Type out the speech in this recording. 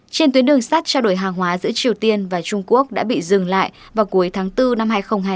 trên tuyến đường sắt trao đổi hàng hóa giữa triều tiên và trung quốc đã bị dừng lại vào cuối tháng bốn năm hai nghìn hai mươi